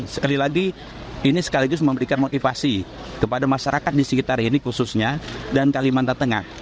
sekali lagi ini sekaligus memberikan motivasi kepada masyarakat di sekitar ini khususnya dan kalimantan tengah